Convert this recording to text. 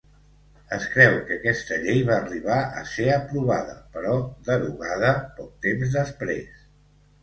Es creu que aquesta llei va arribar a ser aprovada, però derogada poc temps després.